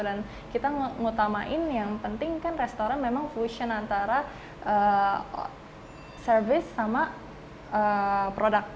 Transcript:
dan kita ngutamain yang penting kan restoran memang fusion antara service sama produk